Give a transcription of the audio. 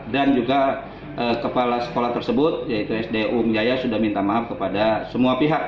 dan juga kepala sekolah tersebut yaitu sdu mijaya sudah minta maaf kepada semua pihak